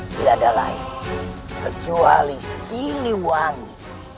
tidak ada lain kecuali siliwangi